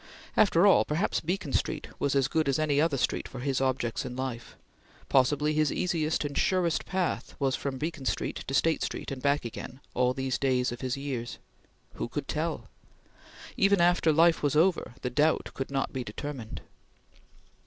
After all, perhaps Beacon Street was as good as any other street for his objects in life; possibly his easiest and surest path was from Beacon Street to State Street and back again, all the days of his years. Who could tell? Even after life was over, the doubt could not be determined.